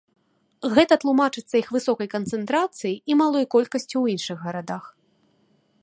Гэта тлумачыцца іх высокай канцэнтрацыяй і малой колькасцю ў іншых гарадах.